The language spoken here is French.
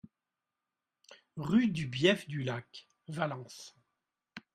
Rue Du Bief Du Lac, Vallans